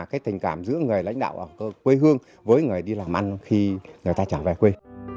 cái tình cảm giữa người lãnh đạo ở quê hương với người đi làm ăn khi người ta trở về quê